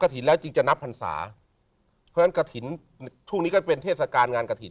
รับกฐินแล้วจริงจะนับพรรษาเพราะฉะนั้นกฐินช่วงนี้ก็เป็นเทศการงานกฐิน